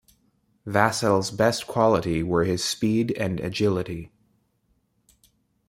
Vassell's best qualities were his speed and agility.